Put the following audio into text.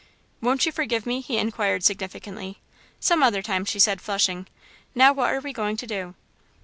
"Won't you forgive me?" he inquired significantly. "Some other time," she said, flushing, "now what are we going to do?"